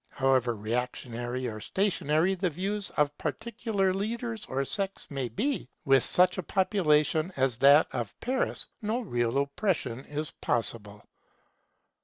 However reactionary or stationary the views of particular leaders or sects may be, with such a population as that of Paris, no real oppression is possible.